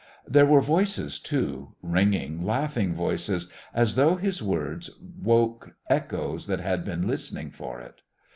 There were voices too ringing, laughing voices, as though his words woke echoes that had been listening for it.